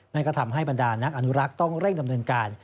นั่นก็ทำให้บรรดานักอนุรักษ์ต้องเร่งดำเนินการ